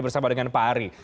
bersama dengan pak ari